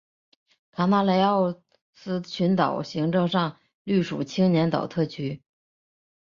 卡纳雷奥斯群岛行政上隶属青年岛特区。